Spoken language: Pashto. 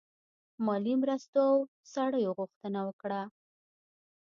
مالي مرستو او سړیو غوښتنه وکړه.